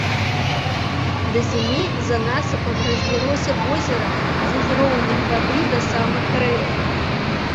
Да зімы за насыпам разлілося возера з узроўнем вады да самых рэек.